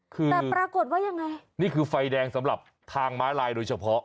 คือแต่ปรากฏว่ายังไงนี่คือไฟแดงสำหรับทางม้าลายโดยเฉพาะ